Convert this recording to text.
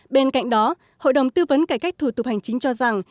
bên cạnh đó hội đồng tư vấn cải cách thủ tục hành chính cho rằng